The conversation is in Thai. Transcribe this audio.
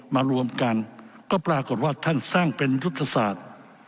มารวมกันก็ปรากฏว่าท่านสร้างเป็นยุทธศาสตร์